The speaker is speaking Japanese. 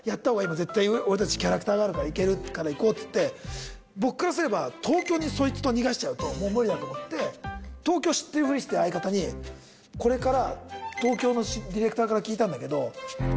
絶対俺たちキャラクターがあるからいけるから行こうっつって僕からすれば東京にそいつと逃がしちゃうともう無理だと思って東京知ってるふりして相方にこれから。